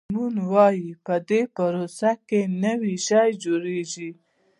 هارمون وایي په دې پروسه کې نوی شی جوړیږي.